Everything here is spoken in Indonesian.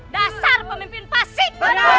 dasar pemimpin fasik